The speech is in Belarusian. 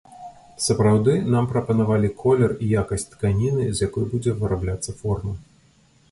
Сапраўды, нам прапанавалі колер і якасць тканіны, з якой будзе вырабляцца форма.